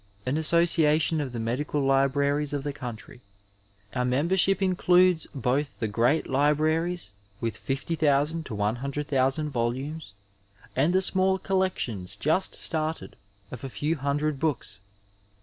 An association of the medical libraries of the country, our membership includes both the great libraries, with 60,000 100,000 volumes, and the small collections just started of a few hundred books.